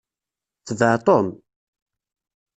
Tbeɛ Tom!